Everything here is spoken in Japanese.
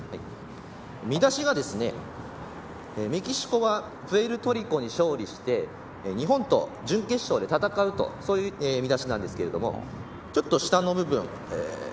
見だしがメキシコがプエルトリコに勝利して日本と準決勝で戦うとそういう見出しなんですけどちょっと下の部分。